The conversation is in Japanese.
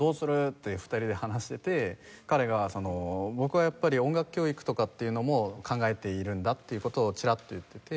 って二人で話してて彼が「僕はやっぱり音楽教育とかっていうのも考えているんだ」っていう事をチラッと言ってて。